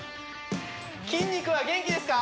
筋肉は元気ですか？